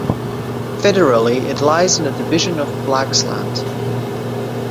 Federally, it lies in the division of Blaxland.